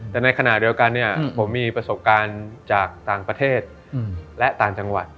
แต่ในขณะเดียวกันเนี่ยผมมีประสบการณ์จากต่างประเทศและต่างจังหวัด